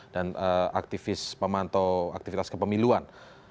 dan aktivis pemantau aktivitas kepemiluan